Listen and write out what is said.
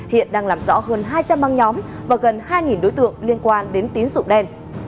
hiện đang làm rõ hơn hai trăm linh băng nhóm và gần hai đối tượng liên quan đến tín dụng đen